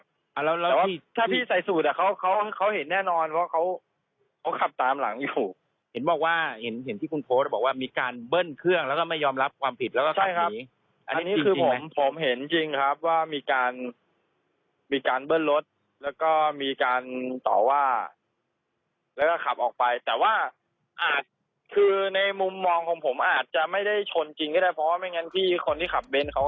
แล้วถ้าพี่ใส่สูตรอ่ะเขาเขาเห็นแน่นอนว่าเขาเขาขับตามหลังอยู่เห็นบอกว่าเห็นเห็นที่คุณโพสต์บอกว่ามีการเบิ้ลเครื่องแล้วก็ไม่ยอมรับความผิดแล้วก็อันนี้คือผมผมเห็นจริงครับว่ามีการมีการเบิ้ลรถแล้วก็มีการต่อว่าแล้วก็ขับออกไปแต่ว่าอาจคือในมุมมองของผมอาจจะไม่ได้ชนจริงก็ได้เพราะว่าไม่งั้นพี่คนที่ขับเน้นเขา